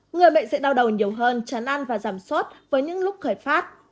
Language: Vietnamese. người bệnh sẽ đau đầu nhiều hơn chán ăn và giảm sốt với những lúc khởi phát